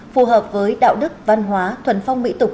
phù hợp với đạo đức văn hóa thuần phong mỹ tục